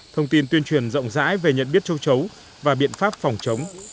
thông tin tuyên truyền rộng rãi về nhận biết châu chấu và biện pháp phòng chống